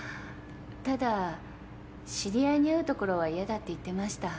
ただ知り合いに会う所は嫌だって言ってました。